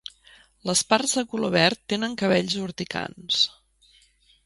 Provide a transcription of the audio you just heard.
Les parts de color verd tenen cabells urticants.